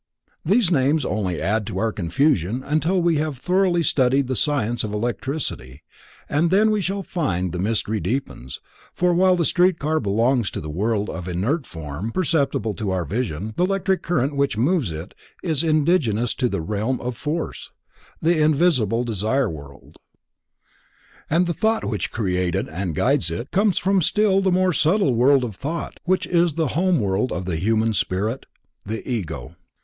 These names only add to our confusion until we have thoroughly studied the science of electricity and then we shall find that the mystery deepens, for while the street car belongs to the world of inert form perceptible to our vision, the electric current which moves it is indigenous to the realm of force, the invisible Desire World, and the thought which created and guides it, comes from the still more subtile World of Thought which is the home world of the human spirit, the Ego.